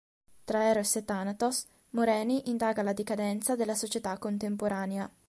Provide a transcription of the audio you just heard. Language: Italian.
Tra Eros e Thanatos, Moreni indaga la decadenza della società contemporanea.